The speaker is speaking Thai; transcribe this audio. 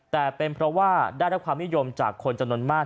แต่เป็นเพราะว่าได้รับความนิยมจากคนจำนวนมาก